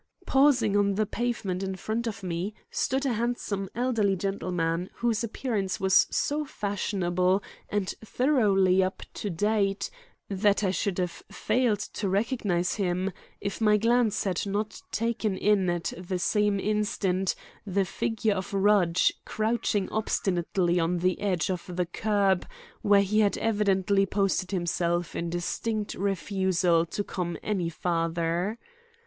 Pausing on the pavement in front of me stood a handsome elderly gentleman whose appearance was so fashionable and thoroughly up to date, that I should have failed to recognize him if my glance had not taken in at the same instant the figure of Rudge crouching obstinately on the edge of the curb where he had evidently posted himself in distinct refusal to come any farther.